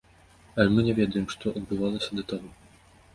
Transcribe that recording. Але мы не ведаем, што адбывалася да таго.